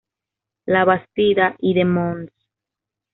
Labastida y de Mons.